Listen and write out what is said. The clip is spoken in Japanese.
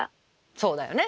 そうだよね。